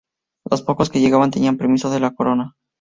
Los pocos que llegaban tenían permiso de la Corona.